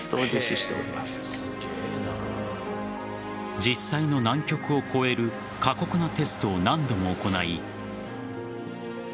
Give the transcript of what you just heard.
実際の南極を超える過酷なテストを何度も行い。